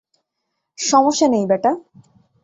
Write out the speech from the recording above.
সমস্যা নেই, বেটা।